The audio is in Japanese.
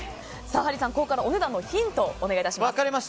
ハリーさん、ここからお値段のヒントをお願いします。